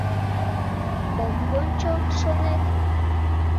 — Ом вончо, шонет?